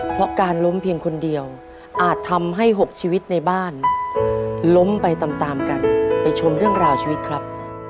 เพราะการล้มเพียงคนเดียวอาจทำให้๖ชีวิตในบ้านล้มไปตามตามกันไปชมเรื่องราวชีวิตครับ